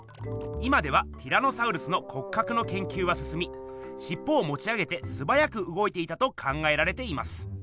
今ではティラノサウルスのこっかくのけんきゅうはすすみしっぽをもち上げてすばやくうごいていたと考えられています。